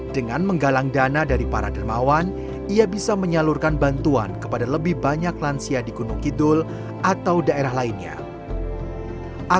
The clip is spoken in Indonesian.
dengan menggalang dana dari para dermawan ia bisa menyalurkan bantuan kepada lebih banyak lansia di gunung kidul atau daerah lainnya